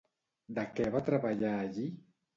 De què va treballar allí?